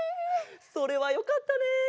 それはよかったね。